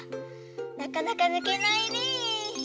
なかなかぬけないね。